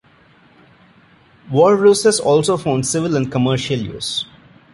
Walruses also found civil and commercial use.